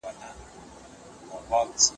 ته به یې او زه به نه یم